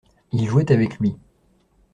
Il jouait avec lui.